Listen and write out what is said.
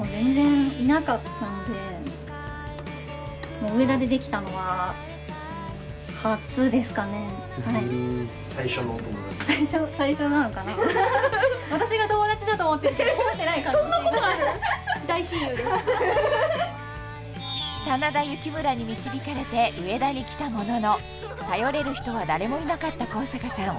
もう上田でできたのは初ですかね最初最初なのかな真田幸村に導かれて上田に来たものの頼れる人は誰もいなかった高坂さん